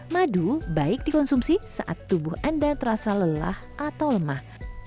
madu baik dikonsumsi saat tubuh anda terasa lelah atau lemah